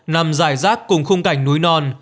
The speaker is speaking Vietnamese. nằm dài rác cùng khung cảnh núi non